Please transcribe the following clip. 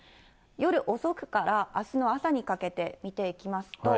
夜遅くからあすの朝にかけて見ていきますと。